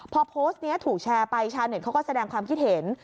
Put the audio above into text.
พอโพสต์นี้ถูกแชร์ไปชาวเน็ตเขาก็แสดงความคิดเห็น